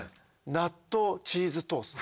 納豆チーズトースト。